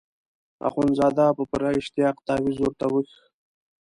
اخندزاده په پوره اشتیاق تاویز ورته وکیښ.